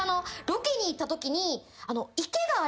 ロケに行ったときに。